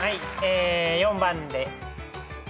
４番で。